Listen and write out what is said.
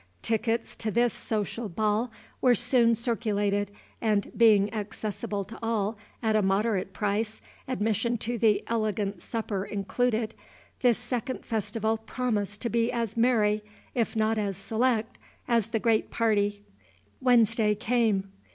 Tickets to this "Social Ball" were soon circulated, and, being accessible to all at a moderate price, admission to the "Elegant Supper" included, this second festival promised to be as merry, if not as select, as the great party. Wednesday came.